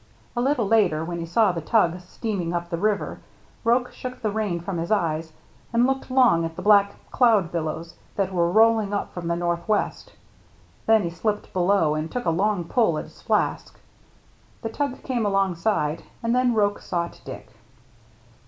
A little later, when he saw the tug steaming up the river, Roche shook the rain from his eyes and looked long at the black cloud billows that were rolling up from the northwest, then he slipped below and took a strong pull at his flask. The tug came along side, and then Roche sought Dick.